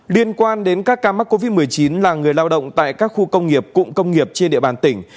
liên quan đến các ca mắc covid một mươi chín là người lao động tại các khu công nghiệp cụm công nghiệp trên địa bàn tỉnh